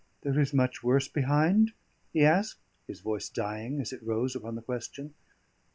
"There is much worse behind?" he asked, his voice dying as it rose upon the question.